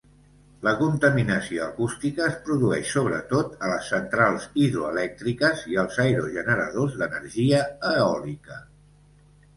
La contaminació acústica es produeix sobretot a les centrals hidroelèctriques i als aerogeneradors d'energia eòlica.